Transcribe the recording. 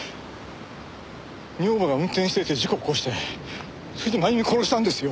女房が運転していて事故を起こしてそれで真由美を殺したんですよ。